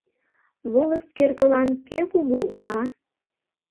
Волость кӧргылан кӧ кугу, а?